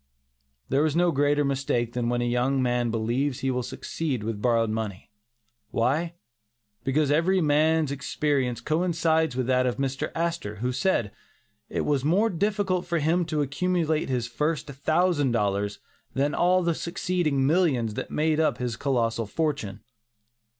There is no greater mistake than when a young man believes he will succeed with borrowed money. Why? Because every man's experience coincides with that of Mr. Astor, who said, 'it was more difficult for him to accumulate his first thousand dollars, than all the succeeding millions that made up his colossal fortune.